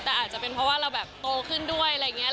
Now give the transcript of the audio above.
แต่อาจจะเป็นเพราะว่าเราแบบโตขึ้นด้วยอะไรอย่างนี้